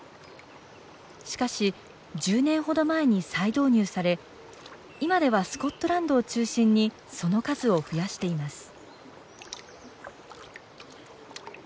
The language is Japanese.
しかし１０年ほど前に再導入され今ではスコットランドを中心にその数を増やしています。